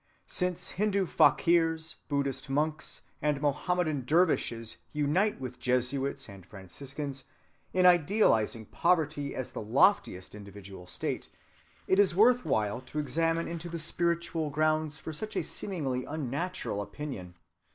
(191) Since Hindu fakirs, Buddhist monks, and Mohammedan dervishes unite with Jesuits and Franciscans in idealizing poverty as the loftiest individual state, it is worth while to examine into the spiritual grounds for such a seemingly unnatural opinion.